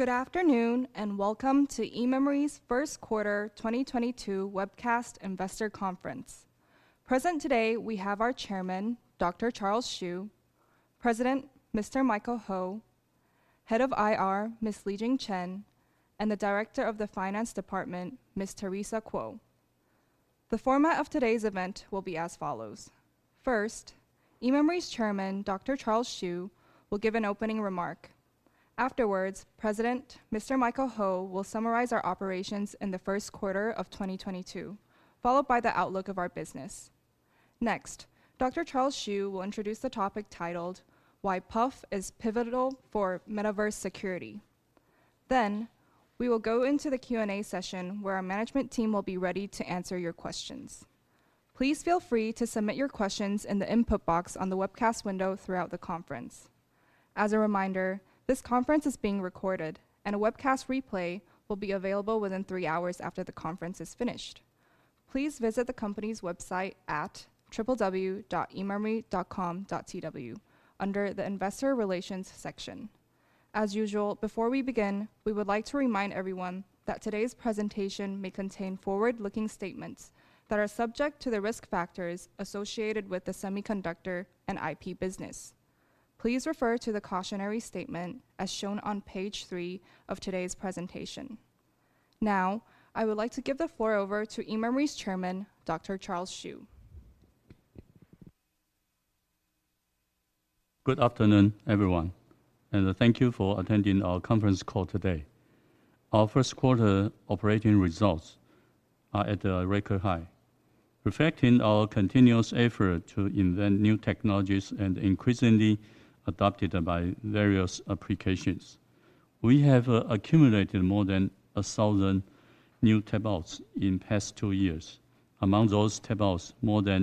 Good afternoon, and welcome to eMemory's First Quarter 2022 Webcast Investor Conference. Present today we have our chairman, Dr. Charles Hsu, president, Mr. Michael Ho, head of IR, Miss Li-Jeng Chen, and the director of the finance department, Miss Teresa Kuo. The format of today's event will be as follows. First, eMemory's chairman, Dr. Charles Hsu, will give an opening remark. Afterwards, president Mr. Michael Ho will summarize our operations in the first quarter of 2022, followed by the outlook of our business. Next, Dr. Charles Hsu will introduce the topic titled Why PUF is Pivotal for Metaverse Security. Then we will go into the Q&A session, where our management team will be ready to answer your questions. Please feel free to submit your questions in the input box on the webcast window throughout the conference. As a reminder, this conference is being recorded and a webcast replay will be available within three hours after the conference is finished. Please visit the company's website at www.ememory.com.tw under the investor relations section. As usual, before we begin, we would like to remind everyone that today's presentation may contain forward-looking statements that are subject to the risk factors associated with the semiconductor and IP business. Please refer to the cautionary statement as shown on page three of today's presentation. Now, I would like to give the floor over to eMemory's chairman, Dr. Charles Hsu. Good afternoon, everyone, and thank you for attending our conference call today. Our first quarter operating results are at a record high, reflecting our continuous effort to invent new technologies and increasingly adopted by various applications. We have accumulated more than 1,000 new tape-outs in past two years. Among those tape-outs, more than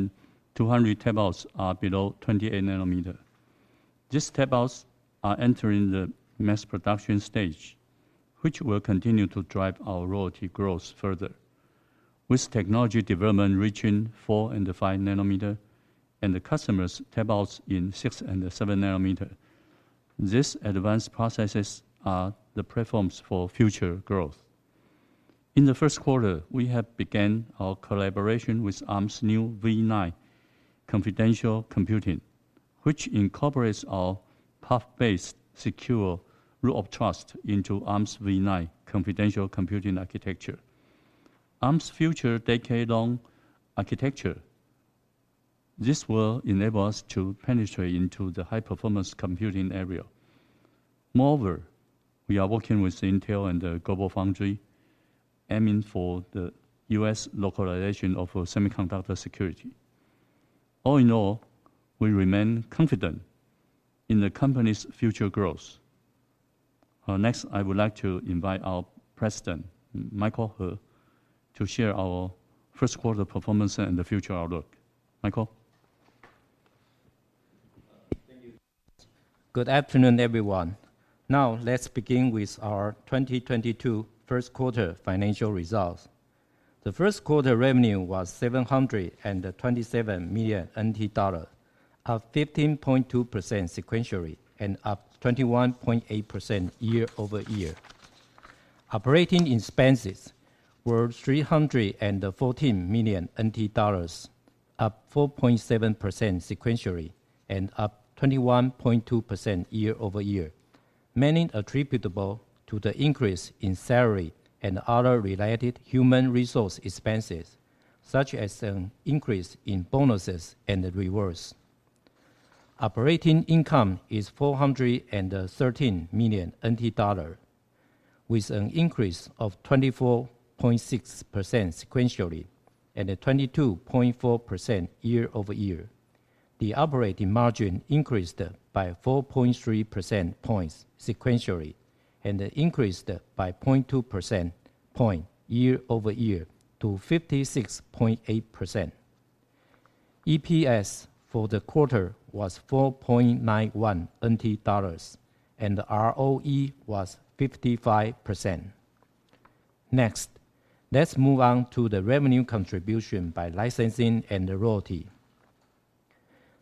200 tape-outs are below 28 nm. These tape-outs are entering the mass production stage, which will continue to drive our royalty growth further. With technology development reaching 4 and 5 nm and the customer's tape-outs in 6 and 7 nm, these advanced processes are the platforms for future growth. In the first quarter, we have began our collaboration with Arm's new v9 confidential computing, which incorporates our PUF-based secure root of trust into Arm's v9 confidential computing architecture. Arm's future decade-long architecture, this will enable us to penetrate into the high-performance computing area. Moreover, we are working with Intel and GlobalFoundries, aiming for the U.S. localization of semiconductor security. All in all, we remain confident in the company's future growth. Next, I would like to invite our President, Michael Ho, to share our first quarter performance and the future outlook. Michael? Thank you. Good afternoon, everyone. Now let's begin with our 2022 first quarter financial results. The first quarter revenue was 727 million NT dollars, up 15.2% sequentially and up 21.8% year-over-year. Operating expenses were 314 million NT dollars, up 4.7% sequentially and up 21.2% year-over-year, mainly attributable to the increase in salary and other related human resource expenses, such as an increase in bonuses and rewards. Operating income is 413 million NT dollar with an increase of 24.6% sequentially and up 22.4% year-over-year. The operating margin increased by 4.3 percentage points sequentially and increased by 0.2 percentage point year-over-year to 56.8%. EPS for the quarter was 4.91 NT dollars and ROE was 55%. Next, let's move on to the revenue contribution by licensing and royalty.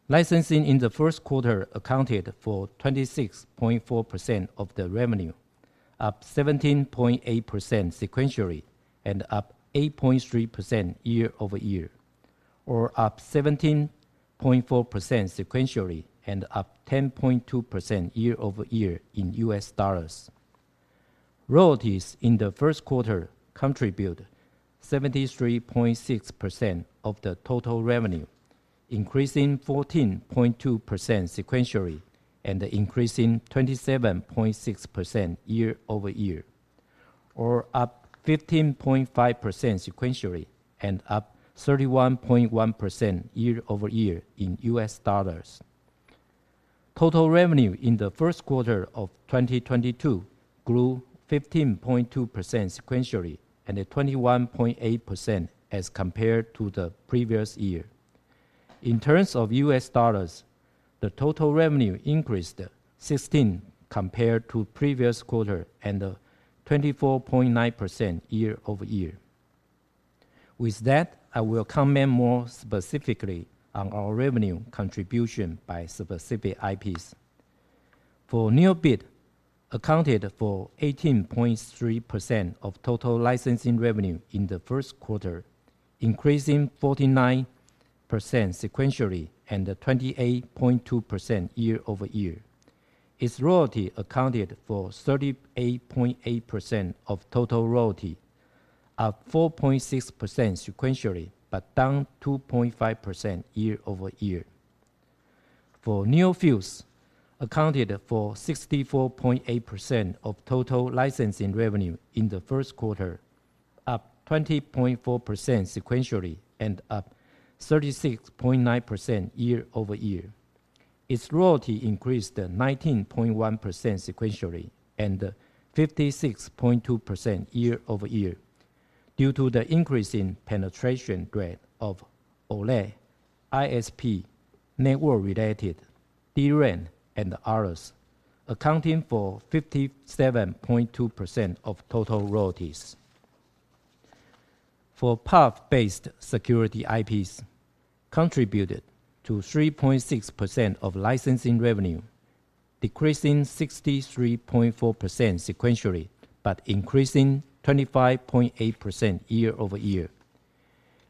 Licensing in the first quarter accounted for 26.4% of the revenue, up 17.8% sequentially and up 8.3% year-over-year, or up 17.4% sequentially and up 10.2% year-over-year in U.S. dollars. Royalties in the first quarter contribute 73.6% of the total revenue, increasing 14.2% sequentially and increasing 27.6% year-over-year, or up 15.5% sequentially and up 31.1% year-over-year in U.S. dollars. Total revenue in the first quarter of 2022 grew 15.2% sequentially and 21.8% as compared to the previous year. In terms of U.S. dollars, the total revenue increased 16% compared to previous quarter and 24.9% year-over-year. With that, I will comment more specifically on our revenue contribution by specific IPs. For NeoBit, accounted for 18.3% of total licensing revenue in the first quarter, increasing 49% sequentially and 28.2% year-over-year. Its royalty accounted for 38.8% of total royalty, up 4.6% sequentially, but down 2.5% year-over-year. For NeoFuse, accounted for 64.8% of total licensing revenue in the first quarter, up 20.4% sequentially and up 36.9% year-over-year. Its royalty increased 19.1% sequentially and 56.2% year-over-year due to the increase in penetration rate of OLED, ISP, network related, DRAM, and others, accounting for 57.2% of total royalties. PUF-based security IPs contributed to 3.6% of licensing revenue, decreasing 63.4% sequentially, but increasing 25.8% year-over-year.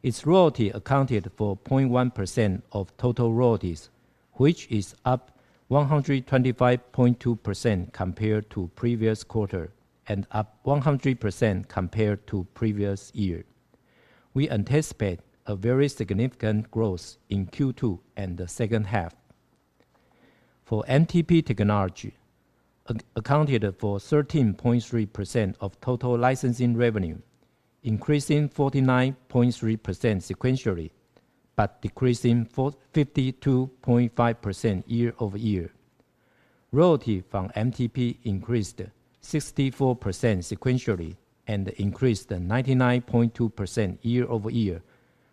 Its royalty accounted for 0.1% of total royalties, which is up 125.2% compared to previous quarter and up 100% compared to previous year. We anticipate a very significant growth in Q2 and the second half. MTP technology accounted for 13.3% of total licensing revenue, increasing 49.3% sequentially, but decreasing 52.5% year-over-year. Royalty from MTP increased 64% sequentially and increased 99.2% year-over-year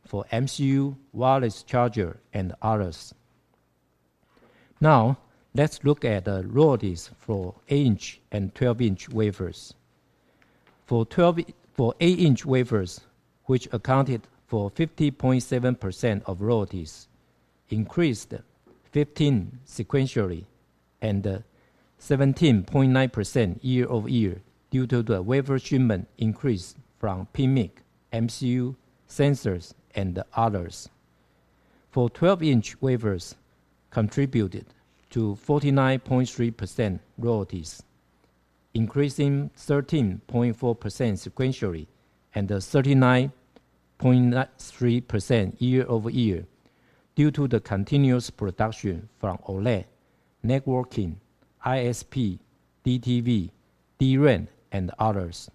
for MCU, wireless charger, and others. Now, let's look at the royalties for 8-inch and 12-inch wafers. For 8-inch wafers, which accounted for 50.7% of royalties, increased 15% sequentially and 17.9% year-over-year due to the wafer shipment increase from PMIC, MCU, sensors, and others. For 12-inch wafers, contributed to 49.3% royalties, increasing 13.4% sequentially and 39.3% year-over-year due to the continuous production from OLED, networking, ISP, DTV, DRAM, and others.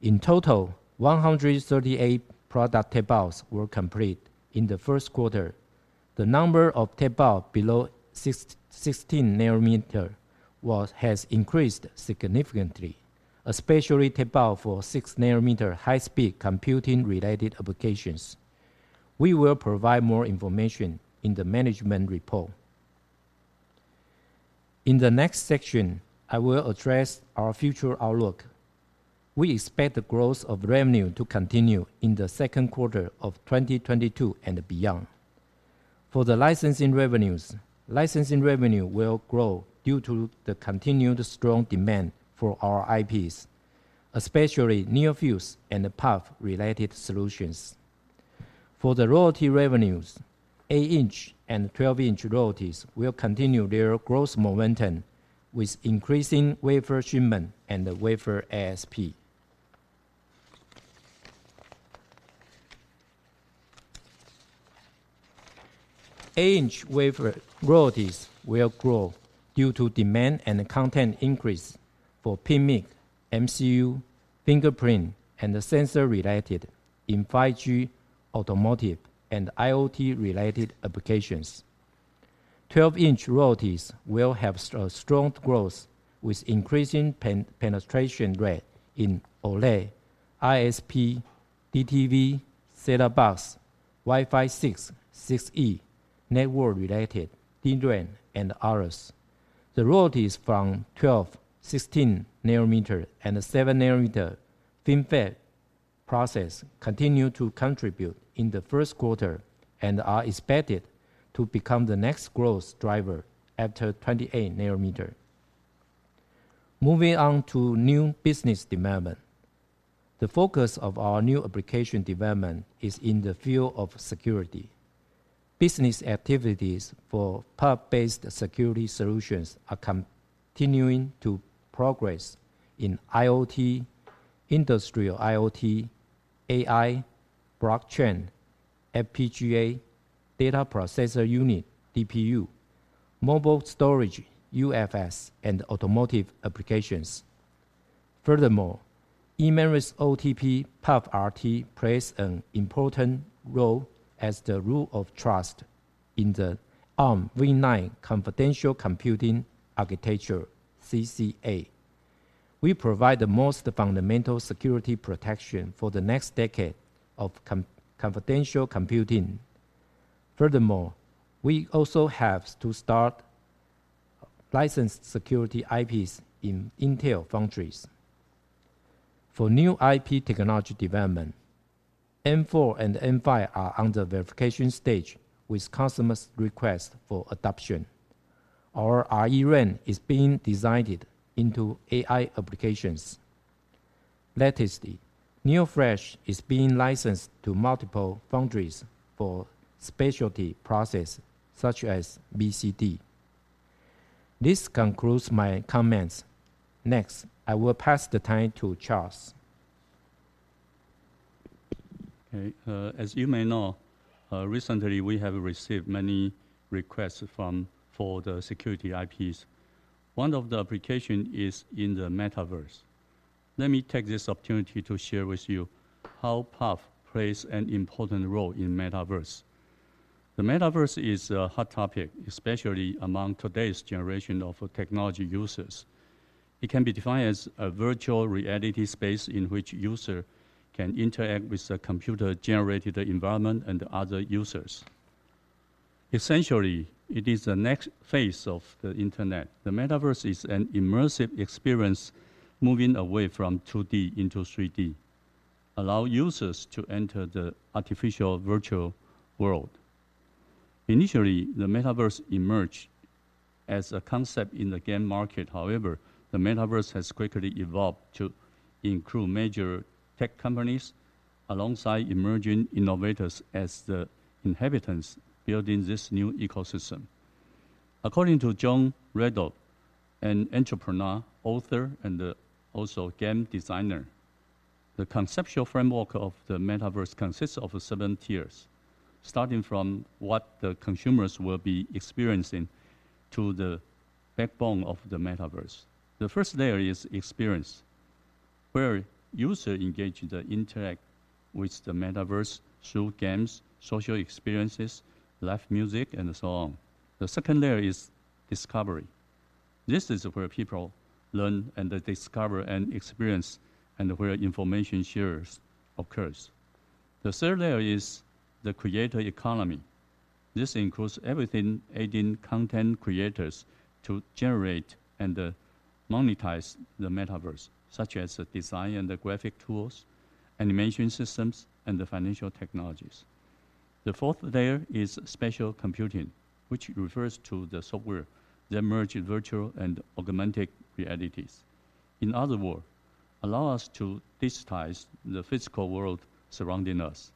In total, 138 product tape-outs were complete in the first quarter. The number of tape-outs below 16 nm has increased significantly, especially tape-outs for 6-nm high-speed computing related applications. We will provide more information in the management report. In the next section, I will address our future outlook. We expect the growth of revenue to continue in the second quarter of 2022 and beyond. For the licensing revenues, licensing revenue will grow due to the continued strong demand for our IPs, especially NeoFuse and the PUF-related solutions. For the royalty revenues, 8-inch and 12-inch royalties will continue their growth momentum with increasing wafer shipment and the wafer ASP. 8-inch wafer royalties will grow due to demand and content increase for PMIC, MCU, fingerprint, and sensor-related in 5G, automotive, and IoT-related applications. 12-inch royalties will have a strong growth with increasing penetration rate in OLED, ISP, DTV, set-top box, Wi-Fi 6, 6E, network-related, DRAM, and others. The royalties from 12, 16 nm, and 7 nm FinFET process continue to contribute in the first quarter and are expected to become the next growth driver after 28 nm. Moving on to new business development. The focus of our new application development is in the field of security. Business activities for PUF-based security solutions are continuing to progress in IoT, industrial IoT, AI, blockchain, FPGA, data processor unit, DPU, mobile storage, UFS, and automotive applications. Furthermore, eMemory's OTP PUF RT plays an important role as the root of trust in the Arm v9 confidential computing architecture, CCA. We provide the most fundamental security protection for the next decade of confidential computing. Furthermore, we also have started licensing security IPs in Intel foundries. For new IP technology development, M4 and M5 are under verification stage with customers' request for adoption. Our ReRAM is being designed into AI applications. Lastly, NeoFlash is being licensed to multiple foundries for specialty process, such as BCD. This concludes my comments. Next, I will pass the mic to Charles. Okay. As you may know, recently, we have received many requests for the security IPs. One of the application is in the metaverse. Let me take this opportunity to share with you how PUF plays an important role in metaverse. The metaverse is a hot topic, especially among today's generation of technology users. It can be defined as a virtual reality space in which user can interact with a computer-generated environment and other users. Essentially, it is the next phase of the internet. The metaverse is an immersive experience moving away from 2D into 3D, allow users to enter the artificial virtual world. Initially, the metaverse emerged as a concept in the game market. However, the metaverse has quickly evolved to include major tech companies alongside emerging innovators as the inhabitants building this new ecosystem. According to Jon Radoff, an entrepreneur, author, and also game designer, the conceptual framework of the metaverse consists of seven tiers, starting from what the consumers will be experiencing to the backbone of the metaverse. The first layer is experience, where users engage and interact with the metaverse through games, social experiences, live music, and so on. The second layer is discovery. This is where people learn and they discover and experience, and where information sharing occurs. The third layer is the creator economy. This includes everything aiding content creators to generate and monetize the metaverse, such as the design and the graphic tools, animation systems, and the financial technologies. The fourth layer is spatial computing, which refers to the software that merge virtual and augmented realities. In other words, allow us to digitize the physical world surrounding us.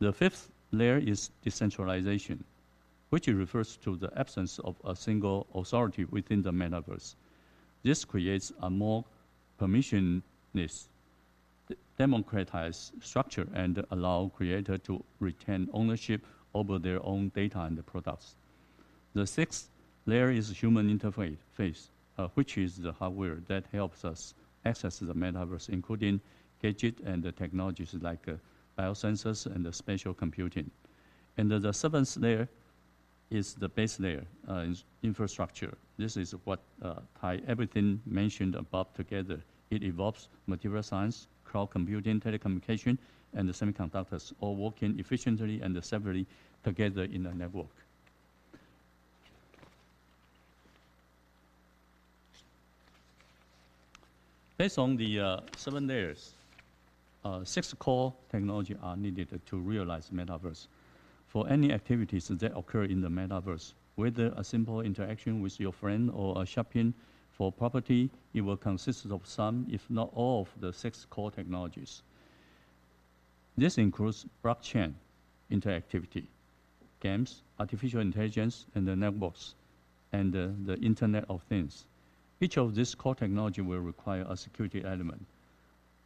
The fifth layer is decentralization, which refers to the absence of a single authority within the metaverse. This creates a more permissionless, democratized structure and allows creators to retain ownership over their own data and the products. The sixth layer is human interface, which is the hardware that helps us access the metaverse, including gadgets and the technologies like biosensors and the spatial computing. The seventh layer is the base layer, infrastructure. This is what ties everything mentioned above together. It involves material science, cloud computing, telecommunication, and the semiconductors, all working efficiently and seamlessly together in a network. Based on the seven layers, six core technologies are needed to realize metaverse. For any activities that occur in the metaverse, whether a simple interaction with your friend or a shopping for property, it will consist of some, if not all, of the six core technologies. This includes blockchain interactivity, games, artificial intelligence, and the networks, and, the Internet of Things. Each of these core technology will require a security element.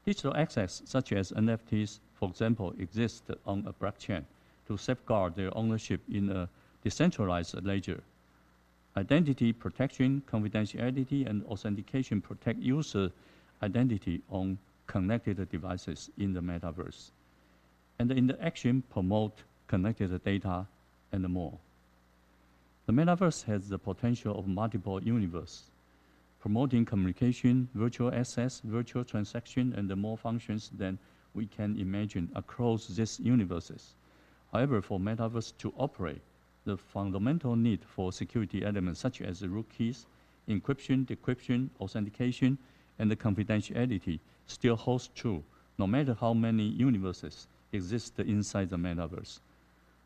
Digital assets, such as NFTs, for example, exist on a blockchain to safeguard their ownership in a decentralized ledger. Identity protection, confidentiality, and authentication protect user identity on connected devices in the metaverse. The interaction promote connected data and more. The metaverse has the potential of multiple universe, promoting communication, virtual assets, virtual transaction, and more functions than we can imagine across these universes. However, for metaverse to operate, the fundamental need for security elements such as root keys, encryption, decryption, authentication, and the confidentiality still holds true no matter how many universes exist inside the metaverse.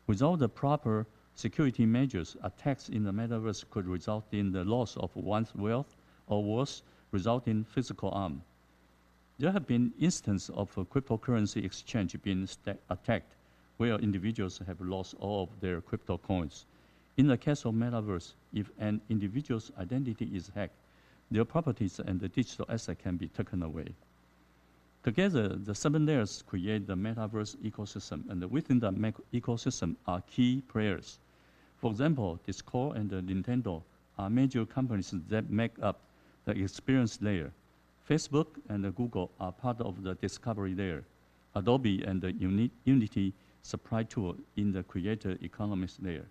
Without the proper security measures, attacks in the metaverse could result in the loss of one's wealth, or worse, result in physical harm. There have been instances of a cryptocurrency exchange being attacked, where individuals have lost all of their crypto coins. In the case of metaverse, if an individual's identity is hacked, their properties and the digital asset can be taken away. Together, the seven layers create the metaverse ecosystem, and within that ecosystem are key players. For example, Discord and Nintendo are major companies that make up the experience layer. Facebook and Google are part of the discovery layer. Adobe and Unity supply tool in the creator economics layer.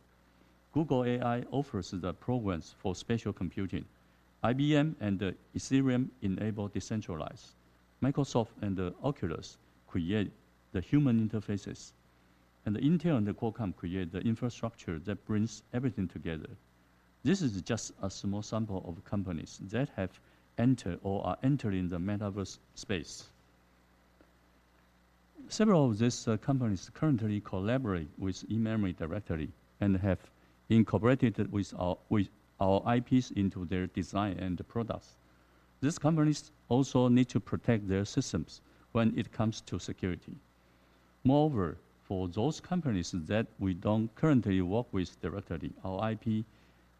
Google AI offers the programs for spatial computing. IBM and Ethereum enable decentralized. Microsoft and Oculus create the human interfaces. Intel and Qualcomm create the infrastructure that brings everything together. This is just a small sample of companies that have entered or are entering the metaverse space. Several of these companies currently collaborate with eMemory directly and have incorporated with our IPs into their design and products. These companies also need to protect their systems when it comes to security. Moreover, for those companies that we don't currently work with directly, our IP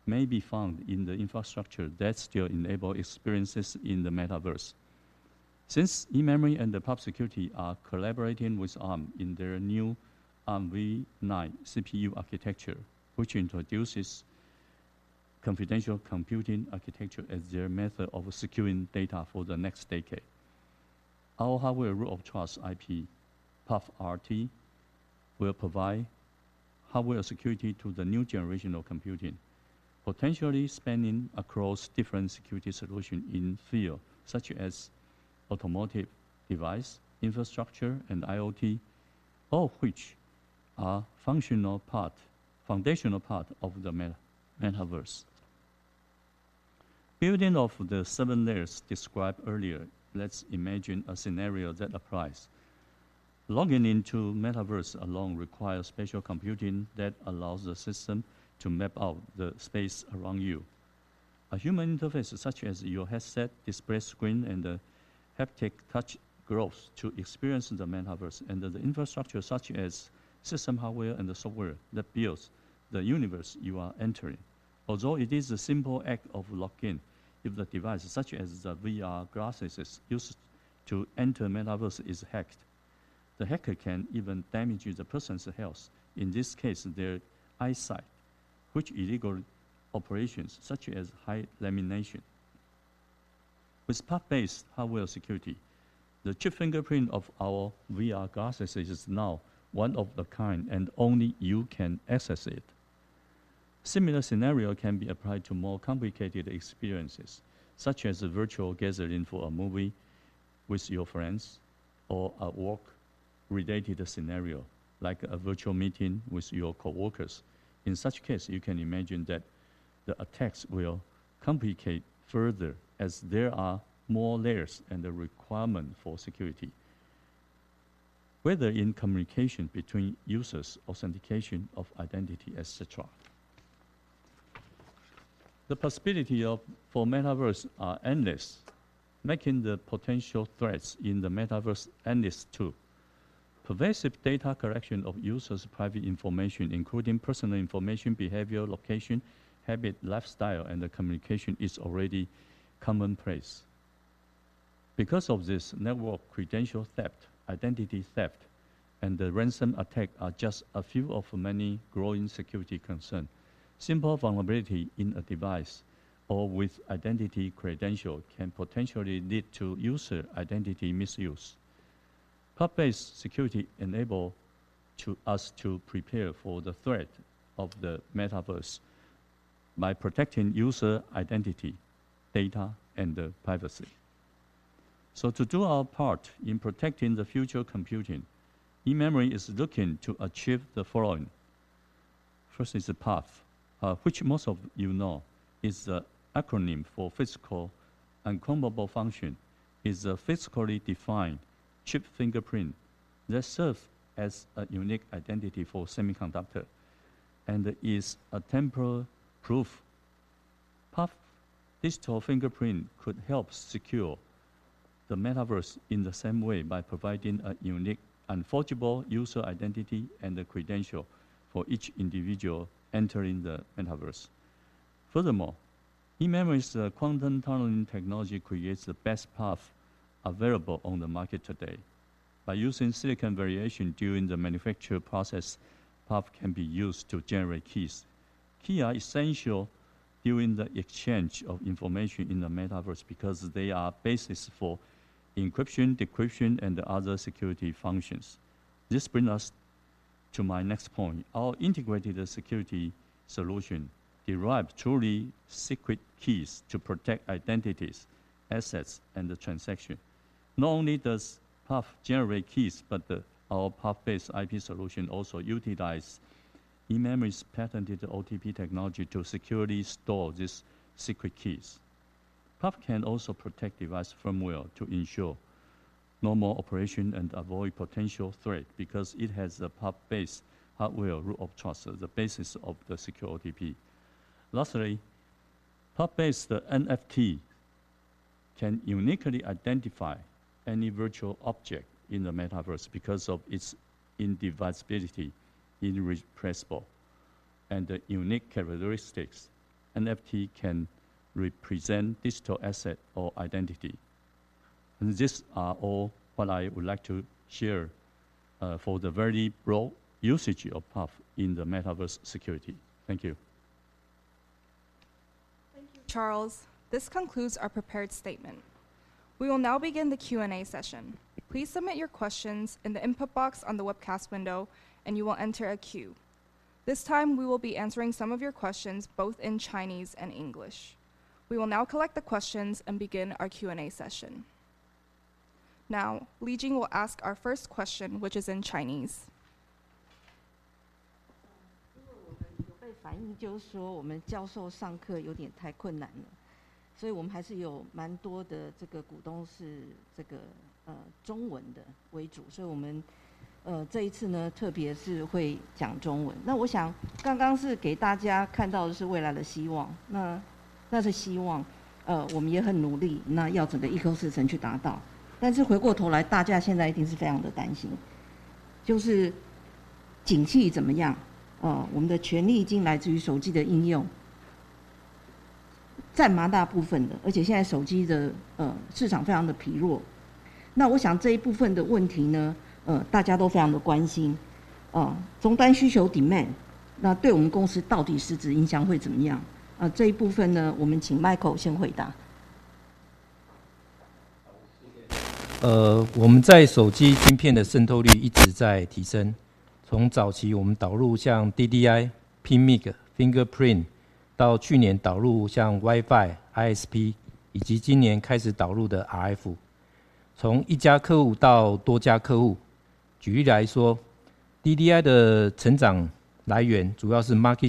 may be found in the infrastructure that still enable experiences in the metaverse. Since eMemory and PUFsecurity are collaborating with Arm in their new Arm v9 CPU architecture, which introduces confidential computing architecture as their method of securing data for the next decade, our hardware root of trust IP, PUFrt, will provide hardware security to the new generation of computing, potentially spanning across different security solutions in the field, such as automotive devices, infrastructure, and IoT, all which are foundational part of the metaverse. Building off the seven layers described earlier, let's imagine a scenario that applies. Logging into metaverse alone requires spatial computing that allows the system to map out the space around you. A human interface, such as your headset, display screen, and the haptic touch gloves to experience the metaverse, and then the infrastructure such as system hardware and the software that builds the universe you are entering. Although it is a simple act of login, if the device such as the VR glasses is used to enter metaverse is hacked, the hacker can even damage the person's health, in this case, their eyesight, with illegal operations such as laser illumination. With PUF-based hardware security, the chip fingerprint of our VR glasses is now one of a kind, and only you can access it. Similar scenario can be applied to more complicated experiences, such as a virtual gathering for a movie with your friends or a work-related scenario, like a virtual meeting with your coworkers. In such case, you can imagine that the attacks will complicate further as there are more layers and the requirement for security, whether in communication between users, authentication of identity, et cetera. The possibility for metaverse are endless, making the potential threats in the metaverse endless, too. Pervasive data collection of users' private information, including personal information, behavior, location, habit, lifestyle, and the communication is already commonplace. Because of this, network credential theft, identity theft, and the ransom attack are just a few of many growing security concerns. Simple vulnerability in a device or with identity credential can potentially lead to user identity misuse. PUF-based security enables us to prepare for the threat of the metaverse by protecting user identity, data, and privacy. To do our part in protecting the future computing, eMemory is looking to achieve the following. First is the PUF, which most of you know is the acronym for Physical Unclonable Function, is a physically defined chip fingerprint that serves as a unique identity for semiconductor and is a tamper-proof. PUF digital fingerprint could help secure the metaverse in the same way by providing a unique, unforgeable user identity and a credential for each individual entering the metaverse. Furthermore, eMemory's quantum tunneling technology creates the best PUF available on the market today. By using silicon variation during the manufacture process, PUF can be used to generate keys. Keys are essential during the exchange of information in the metaverse because they are the basis for encryption, decryption, and other security functions. This brings us to my next point. Our integrated security solution derives truly secret keys to protect identities, assets, and the transactions. Not only does PUF generate keys, but our PUF-based IP solution also utilizes eMemory's patented OTP technology to securely store these secret keys. PUF can also protect device firmware to ensure normal operation and avoid potential threat because it has a PUF-based Hardware Root of Trust as the basis of the secure OTP. Lastly, PUF-based NFT can uniquely identify any virtual object in the metaverse because of its indivisibility, irreversibility, and unique characteristics. NFT can represent digital asset or identity. These are all what I would like to share for the very broad usage of PUF in the metaverse security. Thank you. Thank you, Charles. This concludes our prepared statement. We will now begin the Q&A session. Please submit your questions in the input box on the webcast window, and you will enter a queue. This time, we will be answering some of your questions both in Chinese and English. We will now collect the questions and begin our Q&A session. Now Li Jing will ask our first question, which is in Chinese. demand，那对我们公司到底实质影响会怎么样？这一部分呢，我们请 Michael 先回答。好，我们在手机晶片的渗透率一直在提升。从早期我们导入像DDI、PMIC、fingerprint，到去年导入像Wi-Fi、ISP，以及今年开始导入的RF，从一家客户到多家客户。举例来说，DDI的成长来源主要是market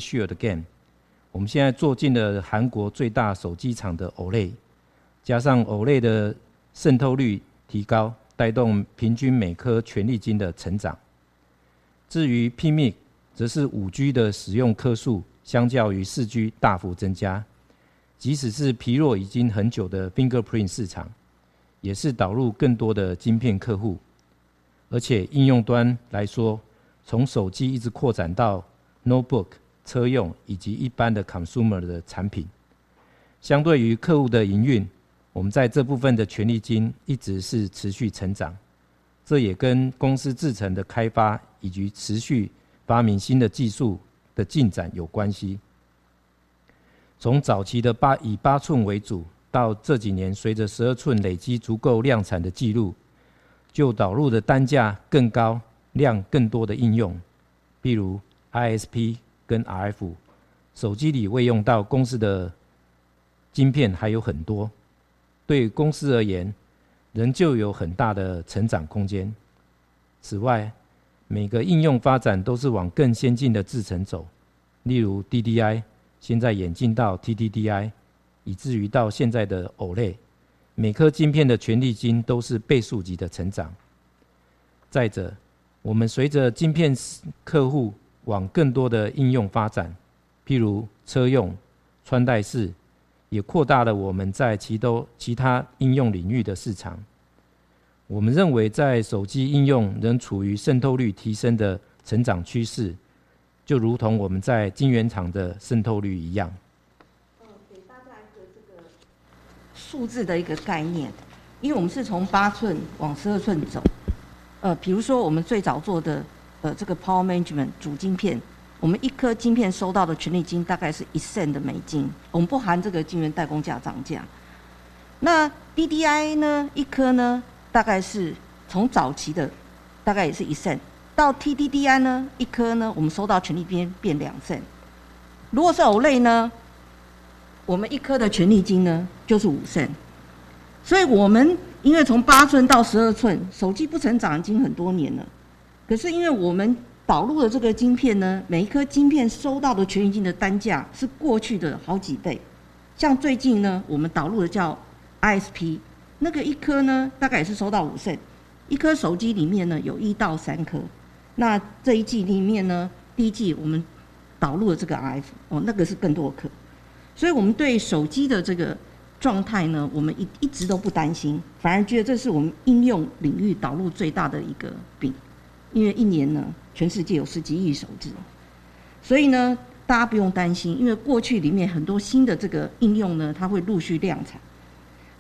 给大家一个这个数字的一个概念，因为我们是从八寸往十二寸走。譬如说我们最早做的这个 power management 主晶片，我们一颗晶片收到的权利金大概是 $0.01 美金，我们不含这个晶圆代工价涨价。那 DDI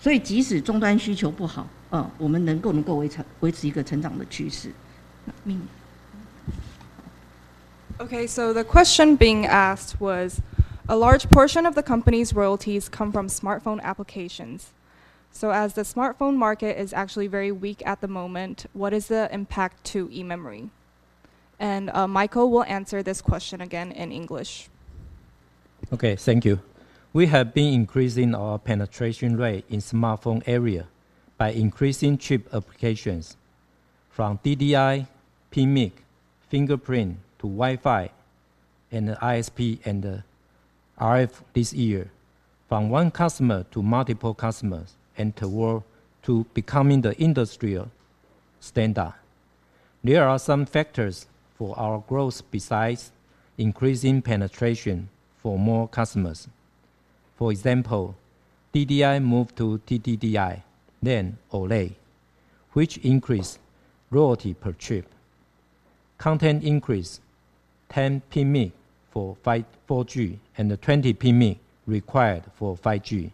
Okay, the question being asked was a large portion of the company's royalties come from smartphone applications. As the smartphone market is actually very weak at the moment, what is the impact to eMemory? Michael will answer this question again in English. Okay, thank you. We have been increasing our penetration rate in smartphone area by increasing chip applications from DDI, PMIC, fingerprint to Wi-Fi, ISP and RF this year from one customer to multiple customers and towards becoming the industry standard. There are some factors for our growth besides increasing penetration for more customers. For example, DDI moved to TDDI then OLED, which increase royalty per chip. Content increase 10 PMIC for 4G and 20 PMIC required for 5G.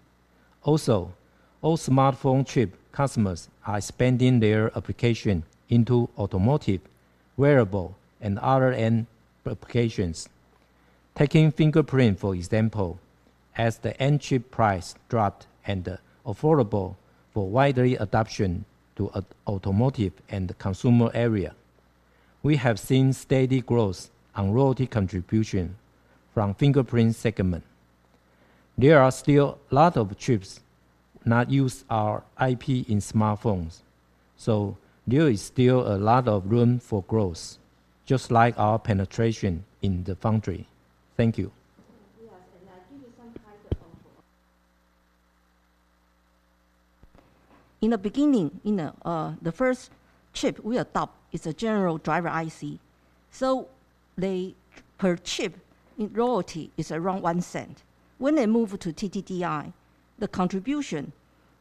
Also, all smartphone chip customers are expanding their application into automotive, wearable and other end applications. Taking fingerprint for example, as the end chip price dropped and affordable for wide adoption to automotive and consumer area, we have seen steady growth on royalty contribution from fingerprint segment. There are still a lot of chips not use our IP in smartphones, so there is still a lot of room for growth, just like our penetration in the foundry. Thank you. In the beginning, the first chip we adopt is a general driver IC. The per chip royalty is around $0.01. When they move to TDDI, the contribution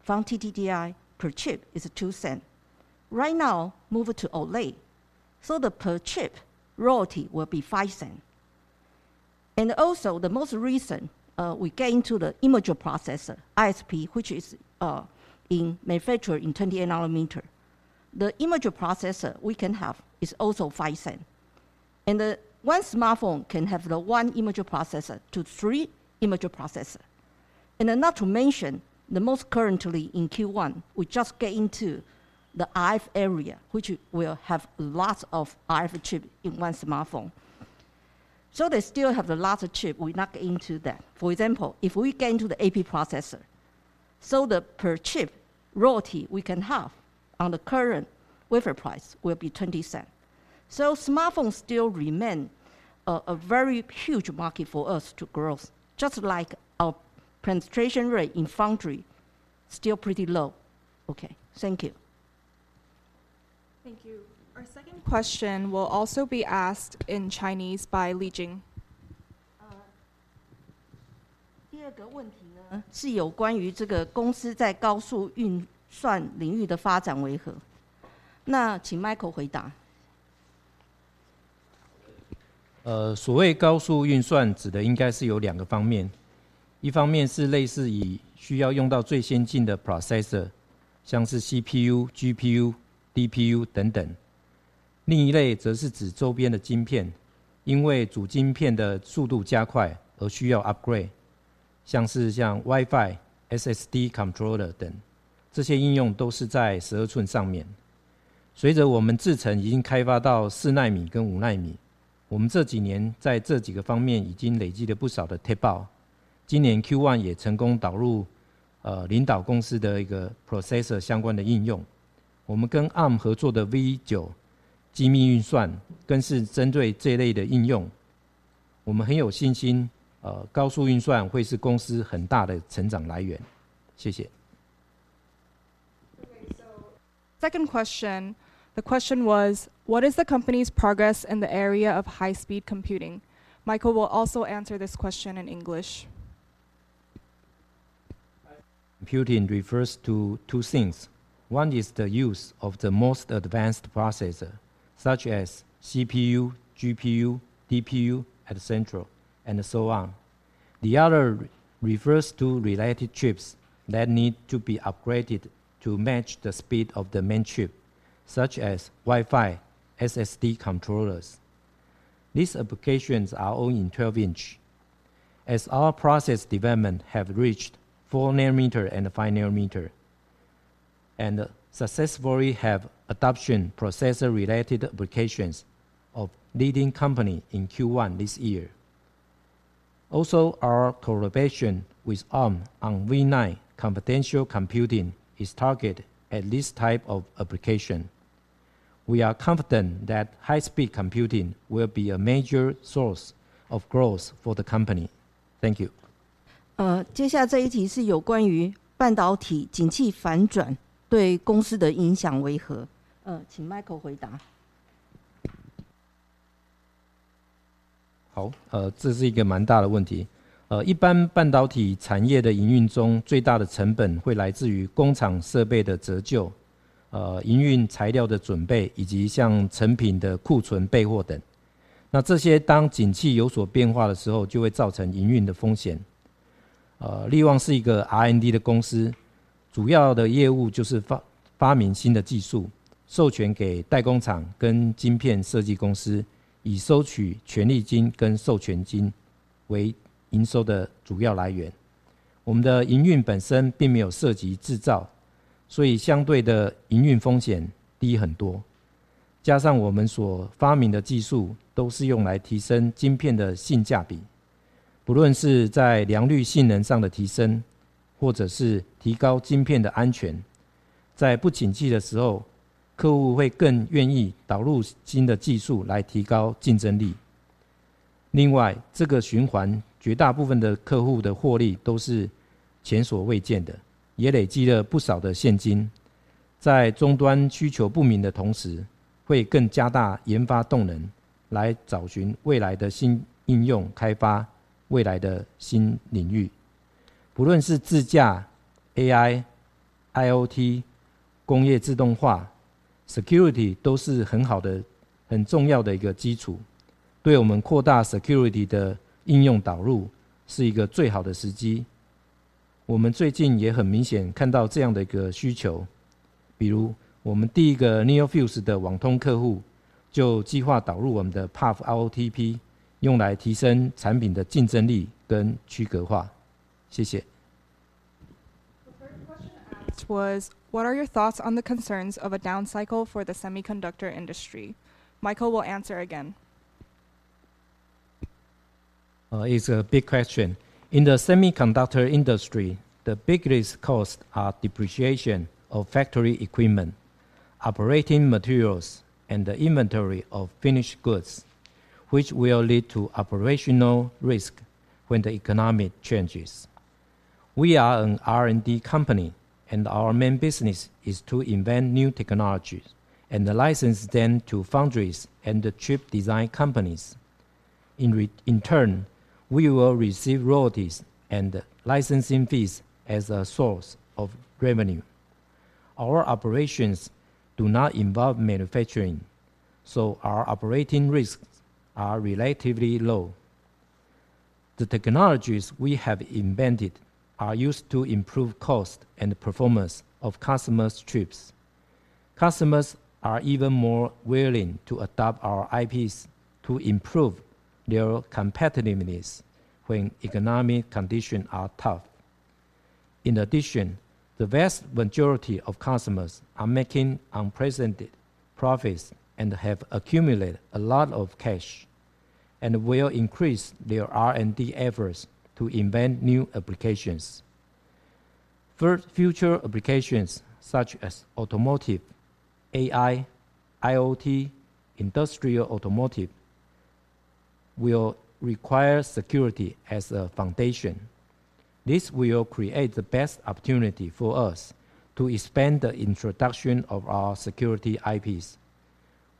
from TDDI per chip is $0.02. Right now, move to OLED. The per chip royalty will be $0.05. The most recent, we get into the image signal processor, ISP, which is in manufacture in 20 nm. The image signal processor we can have is also $0.05. The one smartphone can have the one image signal processor to three image signal processor. Not to mention the most currently in Q1, we just get into the RF area, which will have lots of RF chip in one smartphone. They still have a lot of chip. We're not into that. For example, if we get into the AP processor, so the per chip royalty we can have on the current wafer price will be $0.20. Smartphone still remain a very huge market for us to grow just like our penetration rate in foundry, still pretty low. Okay. Thank you. Thank you. Our second question will also be asked in Chinese by Li-Jeng Chen. uh, Uh, Okay, second question. The question was, what is the company's progress in the area of high speed computing? Michael will also answer this question in English. High speed computing refers to two things. One is the use of the most advanced processor, such as CPU, GPU, DPU, etcetera, and so on. The other refers to related chips that need to be upgraded to match the speed of the main chip, such as Wi-Fi, SSD controllers. These applications are all in 12-inch. As our process development have reached 4-nm and 5-nm, and successfully have adoption processor related applications of leading company in Q1 this year. Also, our collaboration with Arm on V9 confidential computing is targeted at this type of application. We are confident that high speed computing will be a major source of growth for the company. Thank you. Uh, 好，这是一个蛮大的问题。一般半导体产业的营运中最大的成本会来自于工厂设备的折旧、营运材料的准备，以及像成品的库存备货等，那这些当景气有所变化的时候，就会造成营运的风险。力旺是一个R&D的公司，主要的业务就是发明新的技术，授权给代工厂跟晶片设计公司，以收取权利金跟授权金为营收的主要来源。我们的营运本身并没有涉及制造，所以相对的营运风险低很多。加上我们所发明的技术都是用来提升晶片的性价比，不论是在良率性能上的提升，或者是提高晶片的安全，在不景气的时候，客户会更愿意导入新的技术来提高竞争力。另外，这个循环绝大部分的客户的获利都是前所未见的，也累积了不少的现金。在终端需求不明的同时，会更加大研发动能来找寻未来的新应用，开发未来的新领域。不论是自驾、AI、IoT、工业自动化、security都是很好的、很重要的一个基础，对我们扩大security的应用导入是一个最好的时机。我们最近也很明显看到这样的一个需求，比如我们第一个NeoFuse的网通客户就计划导入我们的PUF-OTP，用来提升产品的竞争力跟区隔化。谢谢。What are your thoughts on the concerns of a down cycle for the semiconductor industry? Michael will answer again. It's a big question. In the semiconductor industry, the biggest costs are depreciation of factory equipment, operating materials, and the inventory of finished goods, which will lead to operational risk when the economic changes. We are an R&D company, and our main business is to invent new technologies and license them to foundries and chip design companies. In return, we will receive royalties and licensing fees as a source of revenue. Our operations do not involve manufacturing, so our operating risks are relatively low. The technologies we have invented are used to improve cost and performance of customers' chips. Customers are even more willing to adopt our IPs to improve their competitiveness when economic conditions are tough. In addition, the vast majority of customers are making unprecedented profits and have accumulated a lot of cash and will increase their R&D efforts to invent new applications. Future applications such as automotive, AI, IoT, industrial automotive will require security as a foundation. This will create the best opportunity for us to expand the introduction of our security IPs.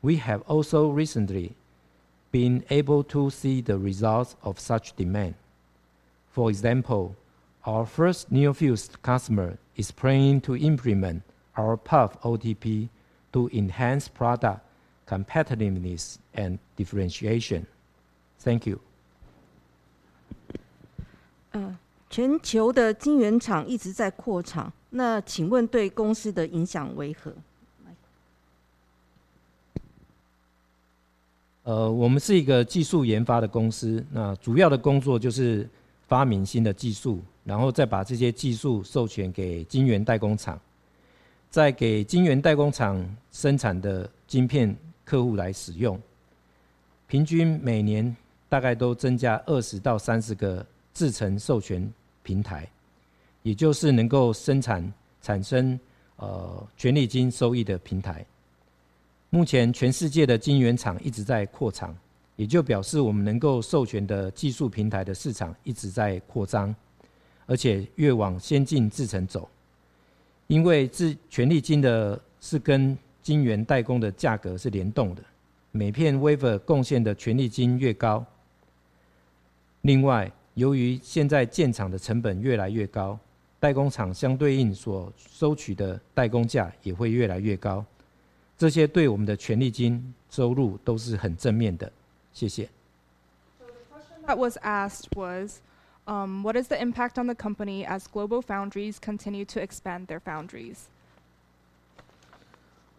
We have also recently been able to see the results of such demand. For example, our first NeoFuse customer is planning to implement our PUF-OTP to enhance product competitiveness and differentiation. Thank you. 全球的晶圆厂一直在扩厂，那请问对公司的影响为何？ wafer 贡献的权利金越高。另外，由于现在建厂的成本越来越高，代工厂相对应所收取的代工价也会越来越高，这些对我们的权利金收入都是很正面的。谢谢。The question that was asked was, what is the impact on the company as global foundries continue to expand their foundries?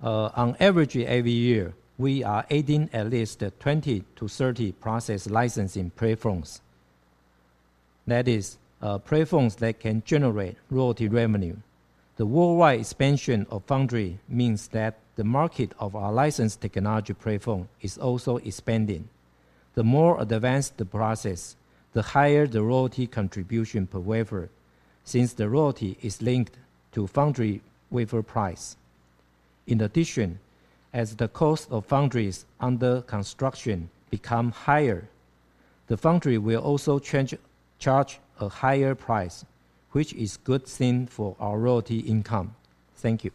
On average every year, we are adding at least 20-30 process licensing platforms. That is, platforms that can generate royalty revenue. The worldwide expansion of foundry means that the market of our licensed technology platform is also expanding. The more advanced the process, the higher the royalty contribution per wafer since the royalty is linked to foundry wafer price. In addition, as the cost of foundries under construction become higher, the foundry will also charge a higher price, which is a good thing for our royalty income. Thank you.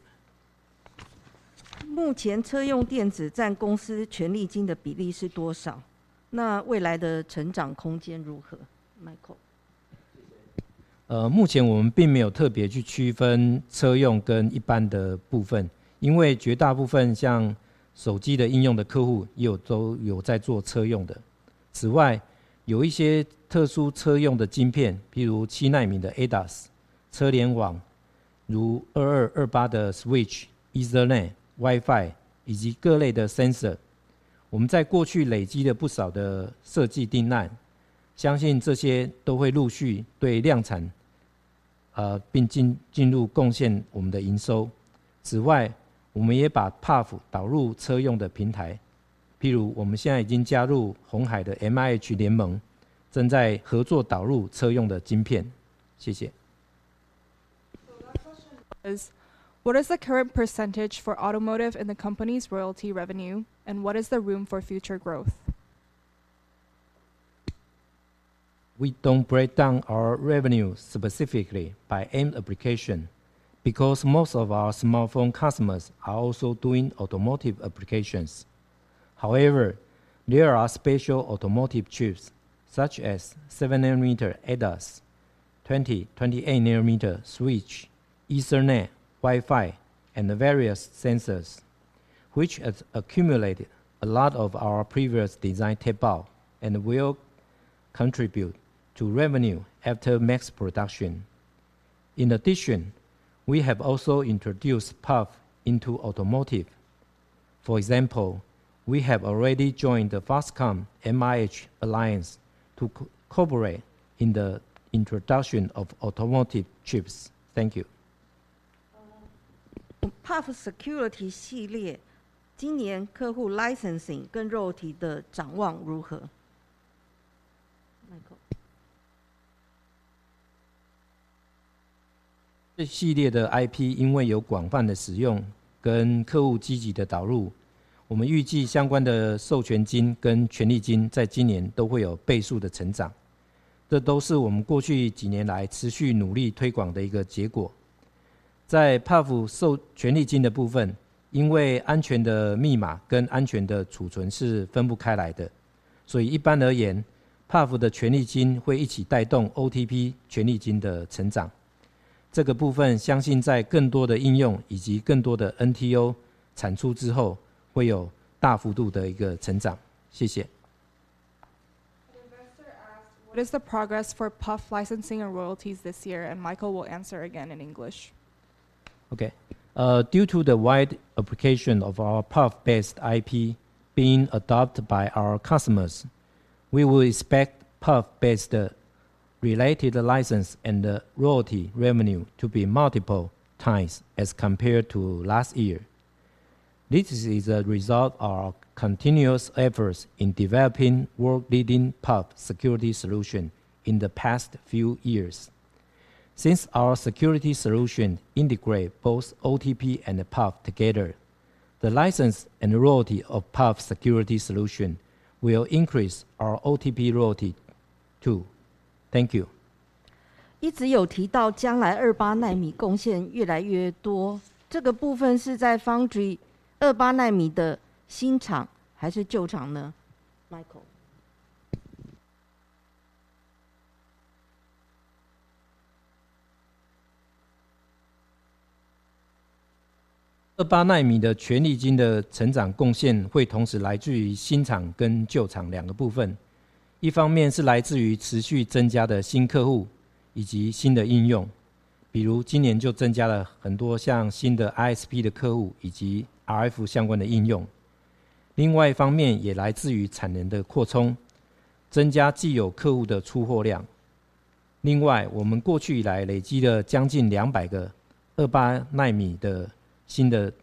目前车用电子占公司权利金的比例是多少？那未来的成长空间如何？Michael。目前我们并没有特别去区分车用跟一般的部分，因为绝大部分像手机的应用的客户也都有在做车用的。此外，有一些特殊车用的晶片，譬如七奈米的ADAS、车联网，如2228的switch、Ethernet、Wi-Fi，以及各类的sensor。我们在过去累积了不少的设计订单，相信这些都会陆续对量产，并进入贡献我们的营收。此外，我们也把PUF导入车用的平台，譬如我们现在已经加入鸿海的MIH联盟，正在合作导入车用的晶片。谢谢。The last question is: What is the current percentage for automotive in the company's royalty revenue and what is the room for future growth? We don't break down our revenue specifically by end application because most of our smartphone customers are also doing automotive applications. However, there are special automotive chips such as 7-nm ADAS, 20- and 28-nm switch, Ethernet, Wi-Fi, and various sensors, which has accumulated a lot of our previous design tape-out and will contribute to revenue after mass production. In addition, we have also introduced PUF into automotive. For example, we have already joined the Foxconn MIH Alliance to cooperate in the introduction of automotive chips. Thank you. PUFsecurity 系列今年客户 licensing 跟 royalty 的展望 如何？ Michael Ho。这系列的IP因为有广泛的使用跟客户积极的导入，我们预计相关的授权金跟权利金在今年都会有倍数的成长。这都是我们过去几年来持续努力推广的一个结果。在PUF授权利金的部分，因为安全的密码跟安全的储存是分不开来的，所以一般而言，PUF的权利金会一起带动OTP权利金的成长。这个部分相信在更多的应用以及更多的NTO产出之后，会有大幅度的一个成长。谢谢。The investor asked, "What is the progress for PUF licensing and royalties this year?" Michael Ho will answer again in English. Okay, due to the wide application of our PUF-based IP being adopted by our customers, we will expect PUF-based related license and royalty revenue to be multiple times as compared to last year. This is a result of our continuous efforts in developing world-leading PUF security solution in the past few years. Since our security solution integrate both OTP and PUF together, the license and royalty of PUF security solution will increase our OTP royalty too. Thank you. 一直有提到将来28奈米贡献越来越多，这个部分是在foundry 28奈米的新厂还是旧厂呢？Michael。28奈米的权利金的成长贡献会同时来自于新厂跟旧厂两个部分。一方面是来自于持续增加的新客户以及新的应用，比如今年就增加了很多像新的ISP的客户以及RF相关的应用。另外一方面也来自于产能的扩充，增加既有客户的出货量。另外，我们过去以来累积了将近两百个28奈米的新的NTO的数字，也持续导入更多的客户以及更多的产品应用。这些新的产品设计方案在代工厂逐步开出更多的28奈米的产能之后，会帮我们带来更多的权利金收入。谢谢。That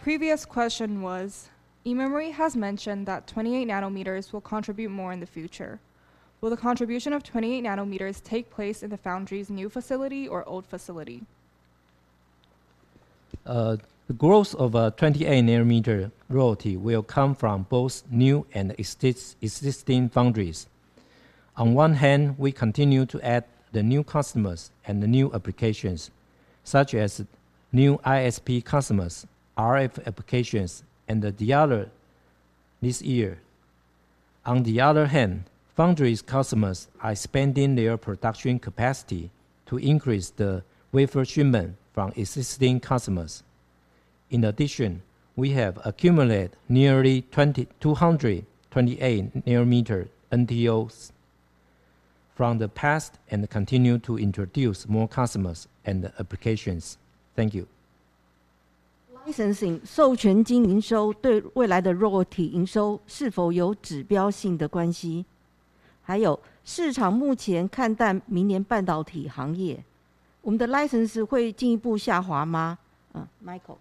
previous question was, "eMemory has mentioned that 28 nm will contribute more in the future. Will the contribution of 28 nm take place in the foundry's new facility or old facility? The growth of 28-nm royalty will come from both new and existing foundries. On one hand, we continue to add the new customers and the new applications such as new ISP customers, RF applications and the other this year. On the other hand, foundry's customers are expanding their production capacity to increase the wafer shipment from existing customers. In addition, we have accumulated nearly 2,200 28-nm NTOs from the past and continue to introduce more customers and applications. Thank you. Licensing 授权金营收对未来的 royalty 营收是否有指标性的关系？还有市场目前看淡明年半导体行业，我们的 license 会进一步下滑吗？Michael。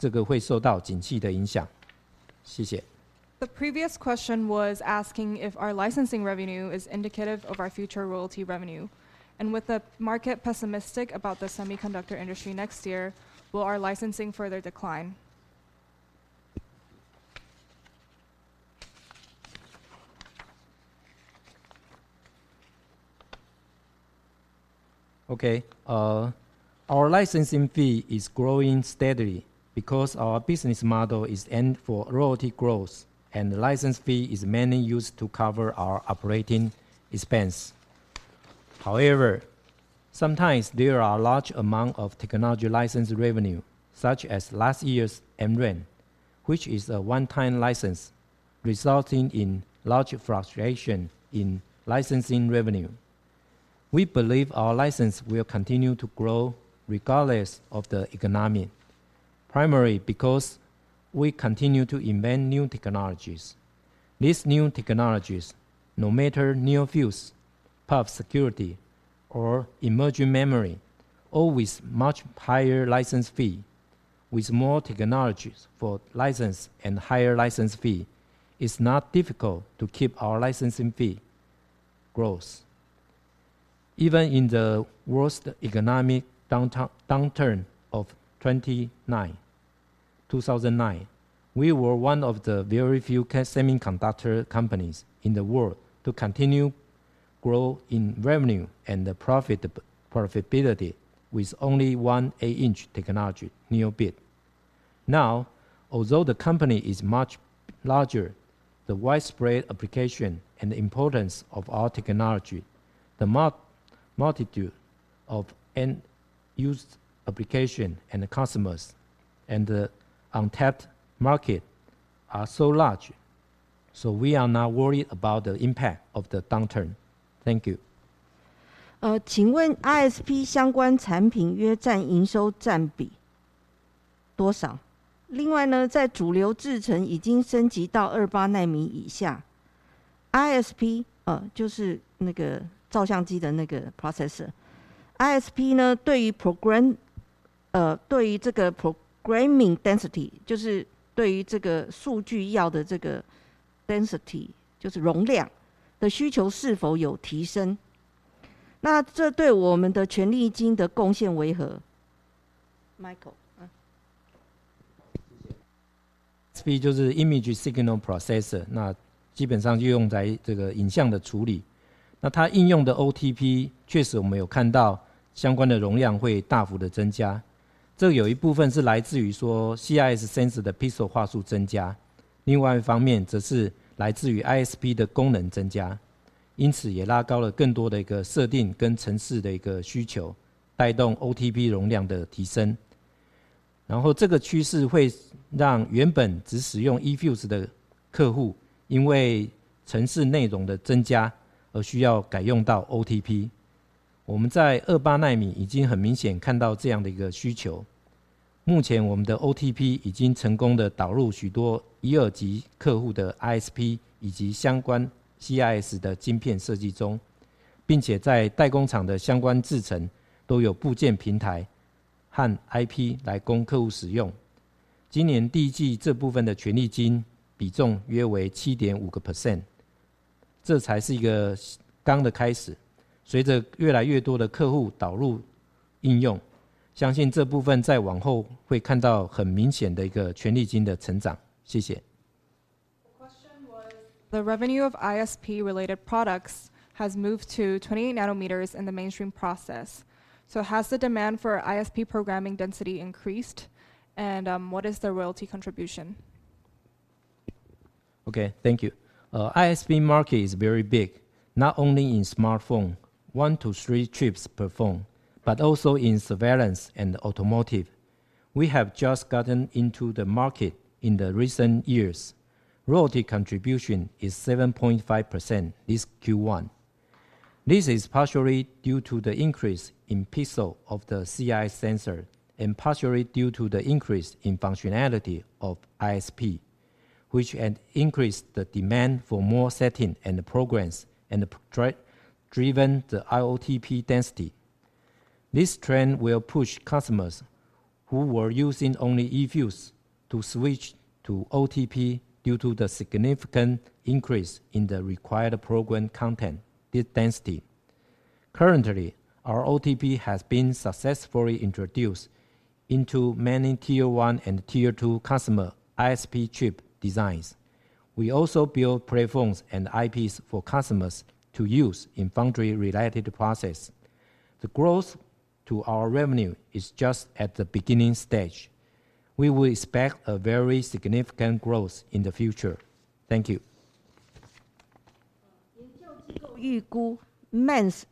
The previous question was asking if our licensing revenue is indicative of our future royalty revenue. With the market pessimistic about the semiconductor industry next year, will our licensing further decline? Okay. Our licensing fee is growing steadily because our business model is aimed for royalty growth, and the license fee is mainly used to cover our operating expense. However, sometimes there are a large amount of technology license revenue, such as last year's MRAM, which is a one-time license, resulting in large fluctuation in licensing revenue. We believe our license will continue to grow regardless of the economy, primarily because we continue to invent new technologies. These new technologies, no matter NeoFuse, PUF security or emerging memory, all with much higher license fee. With more technologies for license and higher license fee, it's not difficult to keep our licensing fee growth. Even in the worst economic downturn of 2009, we were one of the very few kind semiconductor companies in the world to continue grow in revenue and profitability with only one 8-inch technology, NeoBit. Now, although the company is much larger, the widespread application and the importance of our technology, the multitude of end-use application and the customers and the untapped market are so large, so we are not worried about the impact of the downturn. Thank you. 请问 ISP 相关产品约占营收占比多少？另外，在主流制程已经升级到 28 奈米以下，ISP，就是那个照相机的那个 processor，ISP 对于 programming density，就是对于这个数据要的这个 density，就是容量的需求是否有提升？那这对我们的权利金的贡献为何？Michael？ 好，谢谢。ISP就是image signal processor，那基本上就用在这个影像的处理，那它应用的OTP确实我们有看到相关的容量会大幅地增加，这有一部分是来自于说CIS The question was the revenue of ISP related products has moved to 28 nms in the mainstream process. Has the demand for ISP programming density increased? What is the royalty contribution? Okay, thank you. ISP market is very big, not only in smartphone, one to three chips per phone, but also in surveillance and automotive. We have just gotten into the market in the recent years. Royalty contribution is 7.5% this Q1. This is partially due to the increase in pixel of the CIS sensor and partially due to the increase in functionality of ISP, which had increased the demand for more setting and programs and driven the OTP density. This trend will push customers who were using only eFuse to switch to OTP due to the significant increase in the required program content, this density. Currently, our OTP has been successfully introduced into many tier one and tier two customer ISP chip designs. We also build platforms and IPs for customers to use in foundry related process. The growth to our revenue is just at the beginning stage. We will expect a very significant growth in the future. Thank you. 研究机构预估MEMS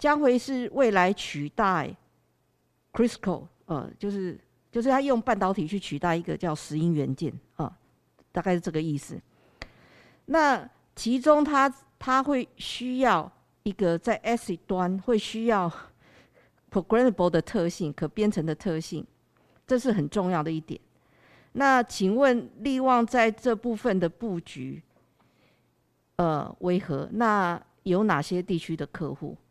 oscillator，就是一种振荡器，OK，2025年市场的产值会来到50到60亿美金，将会是未来取代crystal，就是它用半导体去取代一个叫石英元件，大概是这个意思。那其中它会需要一个在asset端会需要programmable的特性，可编程的特性，这是很重要的一点。那请问力旺在这部分的布局为何？那有哪些地区的客户？Michael请回答。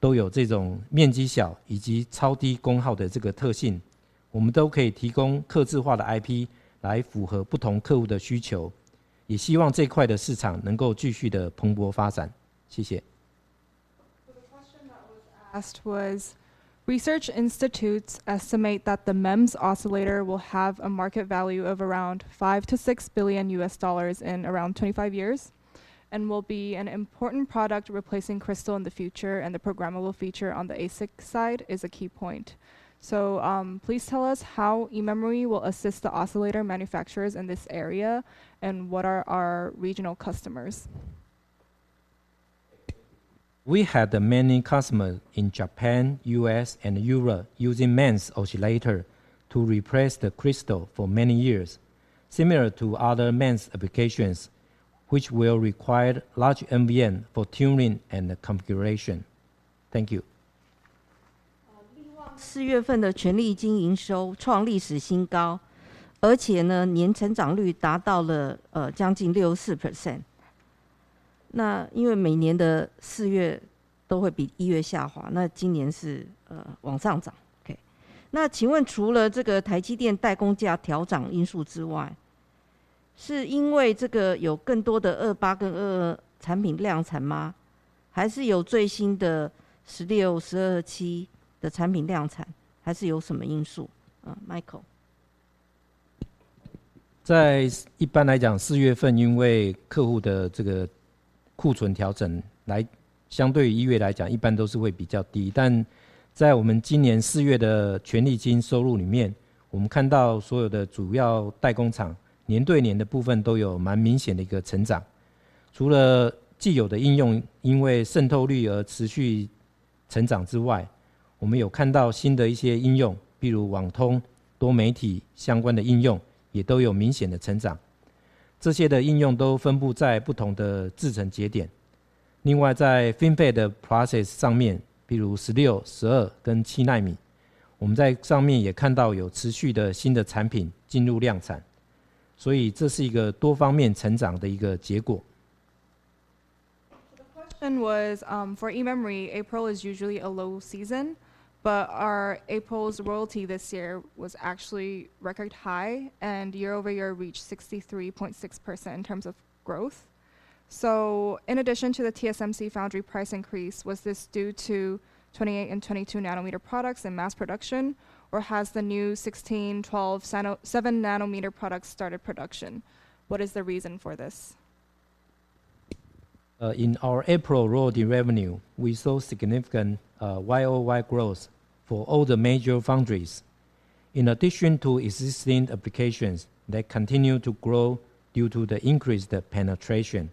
oscillator的这一块市场，我们已经有来自像美国、欧洲、日本等等诸多的客户已经导入使用。他们所需要的IP都有这种面积小以及超低功耗的特性，我们都可以提供客制化的IP来符合不同客户的需求，也希望这一块的市场能够继续地蓬勃发展。谢谢。The question that was asked was, research institutes estimate that the MEMS oscillator will have a market value of around $5-$6 billion in around 25 years, and will be an important product replacing crystal in the future. The programmable feature on the ASIC side is a key point. Please tell us how eMemory will assist the oscillator manufacturers in this area, and what are our regional customers? We had many customers in Japan, U.S., and Europe using MEMS oscillator to replace the crystal for many years. Similar to other MEMS applications, which will require large NVM for tuning and configuration. Thank you. 力旺四月份的权利金营收创历史新高，而且年成长率达到了将近64%。因为每年的四月都会比一月下滑，今年是往上涨。那请问除了台积电代工价调涨因素之外，是因为有更多的28跟22产品量产吗？还是有最新的16、12和7的产品量产？还是有什么因素？Michael。一般来讲，四月份因为客户的库存调整，相对于一月来讲一般都会比较低。但在我们今年四月的权利金收入里面，我们看到所有的主要代工厂年对年的部分都有蛮明显的成长。除了既有的应用因为渗透率而持续成长之外，我们有看到新的一些应用，比如网通、多媒体相关的应用，也都有明显的成长。这些应用都分布在不同的制程节点。另外在 FinFET 的 process The question was, for eMemory, April is usually a low season, but our April's royalty this year was actually record high and year-over-year reached 63.6% in terms of growth. In addition to the TSMC foundry price increase, was this due to 28- and 22-nm products and mass production, or has the new 16-, 12-, 7-nm products started production? What is the reason for this? In our April royalty revenue, we saw significant Y-o-Y growth for all the major foundries. In addition to existing applications that continue to grow due to the increased penetration,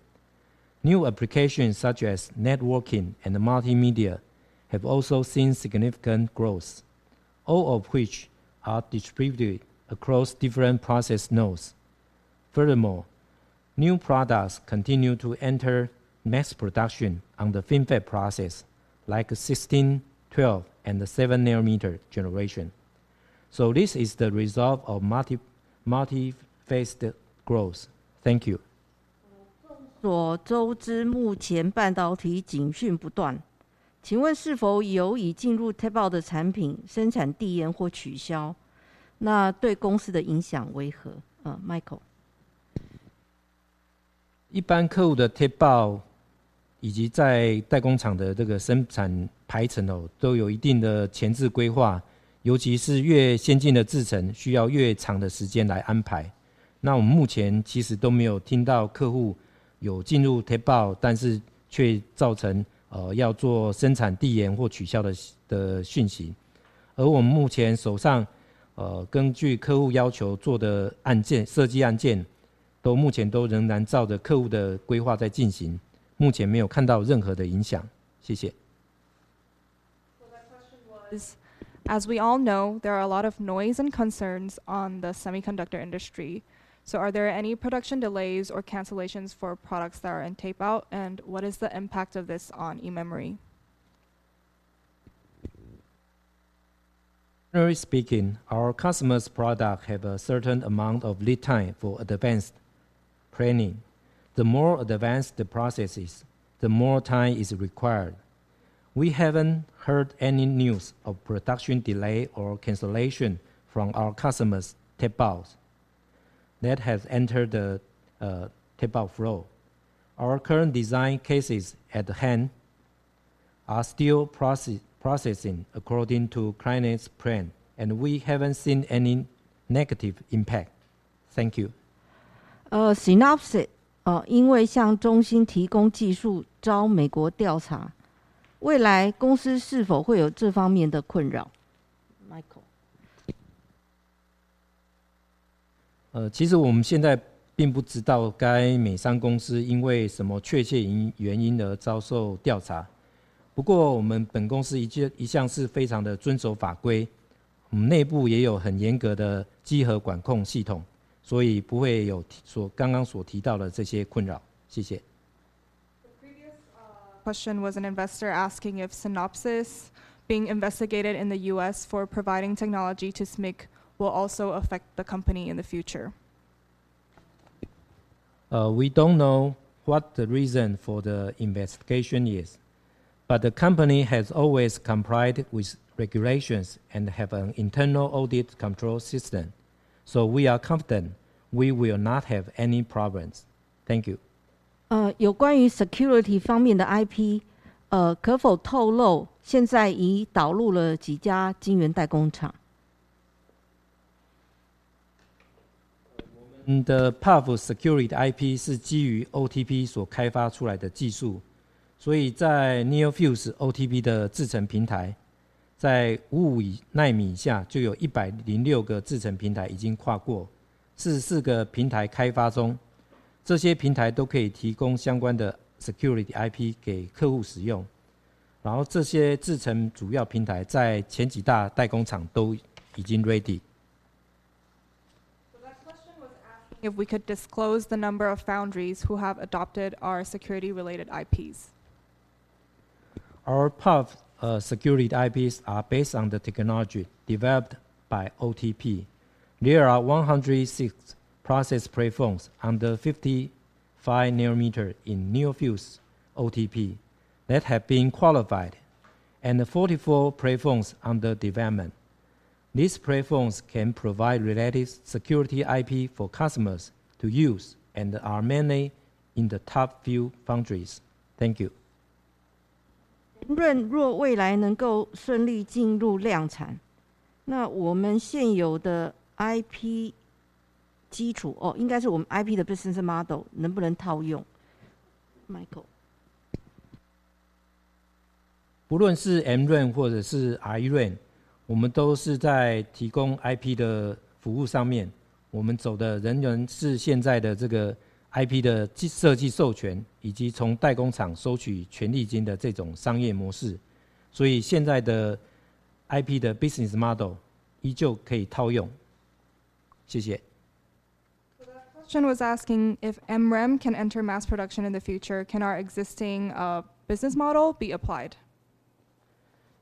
new applications such as networking and multimedia have also seen significant growth, all of which are distributed across different process nodes. Furthermore, new products continue to enter mass production on the FinFET process like 16, 12, and 7 nm generation. This is the result of multi-faceted growth. Thank you. 众所周知，目前半导体警讯不断，请问是否由于进入 tape out 的产品生产递延或取消，那对公司的影响为何？Michael。一般客户的tape out以及在代工厂的生产排程，都有一定的前置规划，尤其是越先进的制程需要越长的时间来安排。我们目前其实都没有听到客户有进入tape out，但是却造成要做生产递延或取消的讯息。而我们目前手上，根据客户要求做的案件，设计案件，目前都仍然照着客户的规划在进行，目前没有看到任何的影响。谢谢。My question was, as we all know, there are a lot of noise and concerns on the semiconductor industry. Are there any production delays or cancellations for products that are in tape out? What is the impact of this on eMemory? Generally speaking, our customers' products have a certain amount of lead time for advanced planning. The more advanced the process is, the more time is required. We haven't heard any news of production delay or cancellation from our customers' tapeouts that have entered the tapeout flow. Our current design cases at hand are still processing according to client's plan, and we haven't seen any negative impact. Thank you. Synopsys. We don't know what the reason for the investigation is, but the company has always complied with regulations and have an internal audit control system. We are confident we will not have any problems. Thank you. Security IP. Our PUF security IPs are based on the technology developed by OTP. There are 106 process platforms under 55 nm in NeoFuse OTP that have been qualified, and 44 platforms under development. These platforms can provide related security IP for customers to use and are mainly in the top few foundries. Thank you. IP business model. 无论是MRAM或者是RRAM，我们都是在提供IP的服务上面，我们走的仍然是现在的这个IP的设计授权，以及从代工厂收取权利金的这种商业模式。所以现在的IP的business model依旧可以套用。谢谢。MRAM can enter mass production in the future, can our existing business model be applied?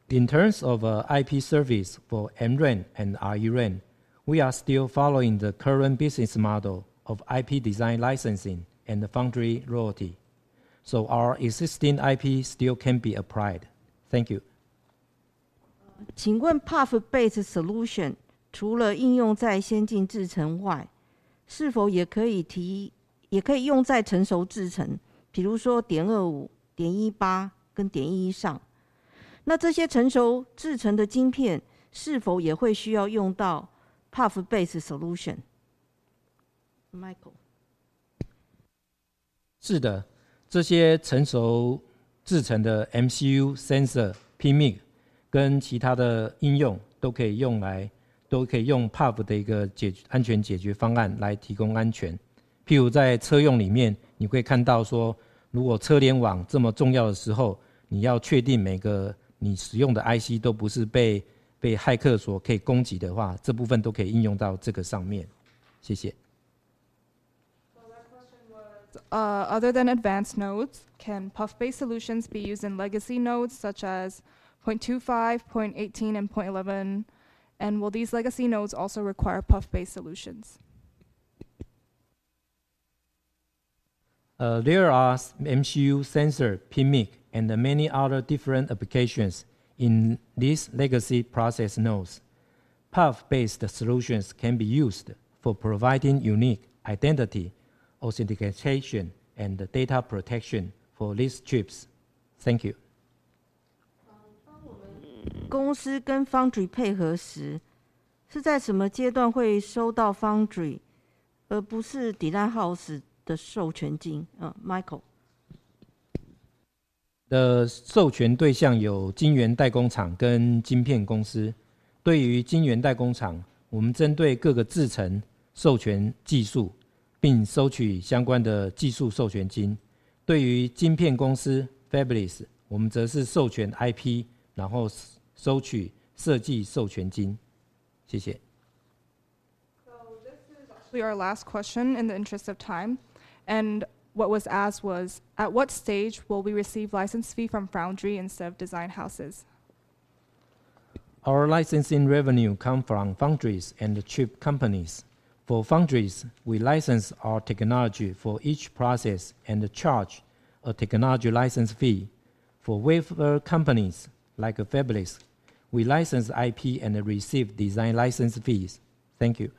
In terms of IP service for MRAM and RRAM, we are still following the current business model of IP design licensing and foundry royalty, so our existing IP still can be applied. Thank you. PUF-based solution. 是的，这些成熟制程的MCU、sensor、PMIC跟其他的应用都可以用PUF的安全解决方案来提供安全。譬如在车用里面，你可以看到说如果车联网这么重要的时候，你要确定每个你使用的IC都不是被骇客所可以攻击的话，这部分都可以应用到这个上面。谢谢。Other than advanced nodes, can PUF-based solutions be used in legacy nodes such as 0.25, 0.18, and 0.11? Will these legacy nodes also require PUF-based solutions? There are MCU, sensor, PMIC and many other different applications in these legacy process nodes. PUF-based solutions can be used for providing unique identity authentication and data protection for these chips. Thank you. 公司跟 foundry 配合时，是在什么阶段会收到 foundry 而不是 design house 的授权金？Michael。的授权对象有晶圆代工厂跟晶片公司。对于晶圆代工厂，我们针对各个制程授权技术，并收取相关的技术授权金。对于晶片公司fabless，我们则是授权IP，然后收取设计授权金。谢谢。This is actually our last question in the interest of time. What was asked was, at what stage will we receive license fee from foundry instead of design houses? Our licensing revenue come from foundries and the chip companies. For foundries, we license our technology for each process and charge a technology license fee. For wafer companies like a fabless, we license IP and receive design license fees. Thank you.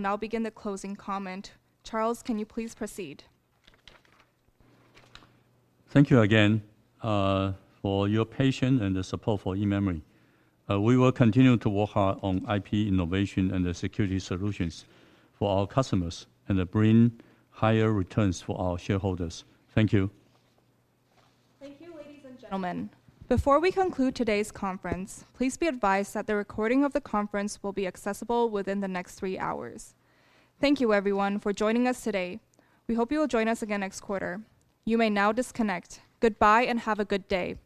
We'll now begin the closing comment. Charles, can you please proceed? Thank you again for your patience and the support for eMemory. We will continue to work hard on IP innovation and the security solutions for our customers and bring higher returns for our shareholders. Thank you. Thank you, ladies and gentlemen. Before we conclude today's conference, please be advised that the recording of the conference will be accessible within the next three hours. Thank you everyone for joining us today. We hope you will join us again next quarter. You may now disconnect. Goodbye and have a good day.